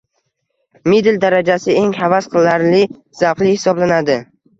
Middle darajasi eng havas qilarli va zavqli hisoblanadi